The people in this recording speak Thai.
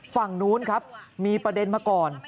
ฝั่งนู้นครับมีประเด็นมาก่อน